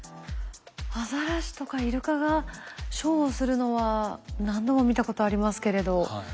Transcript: アザラシとかイルカがショーをするのは何度も見たことありますけれど。